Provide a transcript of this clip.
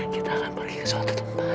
kita akan pergi ke suatu tempat